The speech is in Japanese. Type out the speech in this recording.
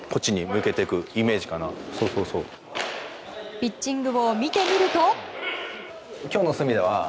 ピッチングを見てみると。